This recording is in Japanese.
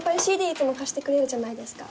いつも貸してくれるじゃないですか。